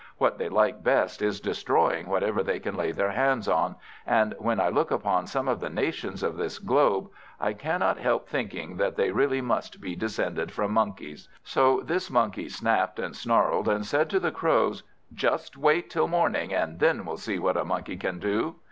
What they like best is destroying whatever they can lay their hands on; and when I look upon some of the nations of this globe, I cannot help thinking that they really must be descended from Monkeys. So this Monkey snapt and snarled, and said to the Crows "Just wait till morning, and then we'll see what a Monkey can do."